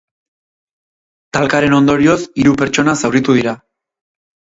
Talkaren ondorioz, hiru pertsona zauritu dira.